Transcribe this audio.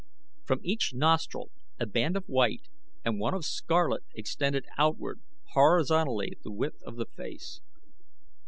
From each nostril a band of white and one of scarlet extended outward horizontally the width of the face.